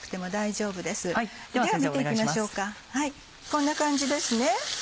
こんな感じですね